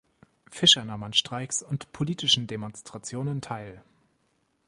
Fisher nahm an Streiks und politischen Demonstrationen teil.